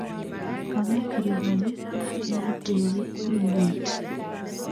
amu kiribani, kigitebi eng goot